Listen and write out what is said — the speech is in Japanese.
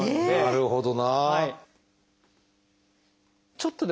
なるほど。